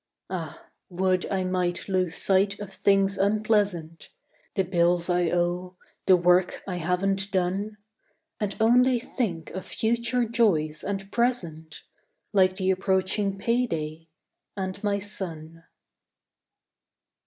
Ah, would I might lose sight of things unpleasant: The bills I owe; the work I haven't done. And only think of future joys and present, Like the approaching payday, and my son.